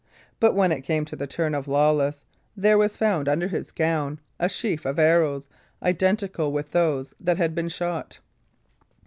But when it came to the turn of Lawless, there was found under his gown a sheaf of arrows identical with those that had been shot.